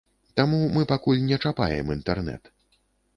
Таму мы пакуль не чапаем інтэрнэт.